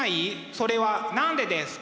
それは何でですか？